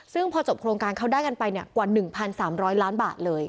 ซึ่งพอจบโครงการเขาได้กันไปกว่า๑๓๐๐ล้านบาทเลย